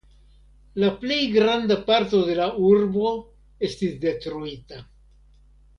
La plej granda parto de la urbo estis detruita.